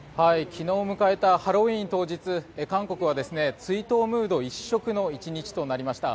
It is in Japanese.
昨日迎えたハロウィーン当日韓国は追悼ムード一色の１日となりました。